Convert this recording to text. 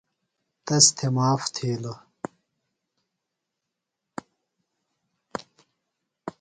تس تھےۡ معاف تھِیلوۡ۔